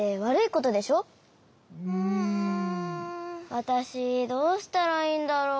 わたしどうしたらいいんだろう。